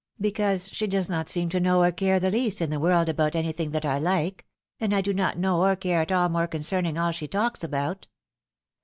" Because she does not seem to know or care the least in the world about anything that I like ; and I do not know or care at all more concerning all she talks about."